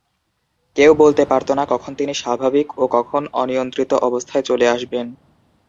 কেউ বলতে পারতো না কখন তিনি স্বাভাবিক ও কখন অনিয়ন্ত্রিত অবস্থায় চলে আসবেন।